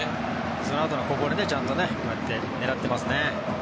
そのあとのこぼれもちゃんと狙っていますね。